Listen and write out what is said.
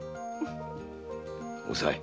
おさい。